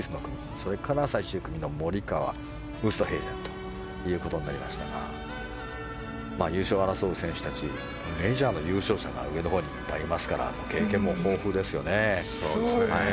それから最終組のモリカワウーストヘイゼンとなりましたが優勝を争う選手たちメジャーの優勝選手が上のほうにいっぱいいますから経験も豊富ですよね。